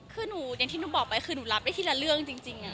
คือหนูอย่างที่หนูบอกไปคือหนูรับได้ทีละเรื่องจริง